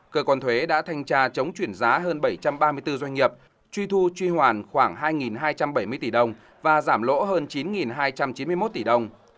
cơ quan thuế đã thanh tra chống chuyển giá hơn bảy trăm ba mươi bốn doanh nghiệp truy thu truy hoàn khoảng hai hai trăm bảy mươi tỷ đồng và giảm lỗ hơn chín hai trăm chín mươi một tỷ đồng